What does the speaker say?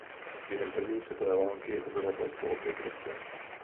Během první světové války obyvatelstvo opět roste.